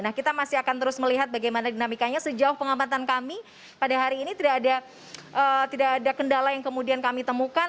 nah kita masih akan terus melihat bagaimana dinamikanya sejauh pengamatan kami pada hari ini tidak ada kendala yang kemudian kami temukan